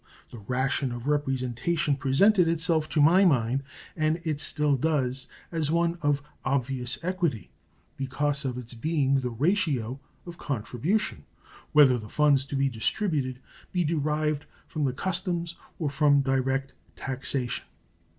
The ration of representation presented itself to my mind, and it still does, as one of obvious equity, because of its being the ratio of contribution, whether the funds to be distributed be derived from the customs or from direct taxation.